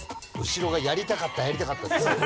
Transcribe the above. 後ろがやりたかったやりたかったっつってる。